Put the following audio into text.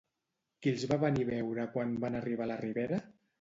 Qui els va venir a veure quan van arribar a la ribera?